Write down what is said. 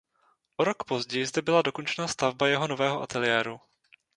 O rok později zde byla dokončena stavba jeho nového ateliéru.